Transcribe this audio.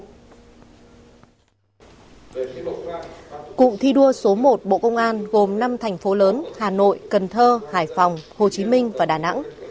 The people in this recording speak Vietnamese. cụ thi đua số một bộ công an gồm năm thành phố lớn hà nội cần thơ hải phòng hồ chí minh và đà nẵng